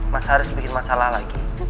mas haris bikin masalah lagi